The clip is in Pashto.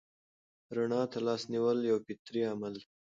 رڼا ته لاس نیول یو فطري عمل دی.